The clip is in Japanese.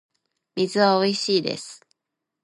水はおいしいです